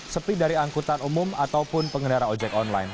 sepi dari angkutan umum ataupun pengendara ojek online